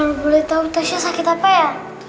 nggak boleh tahu tasya sakit apa ya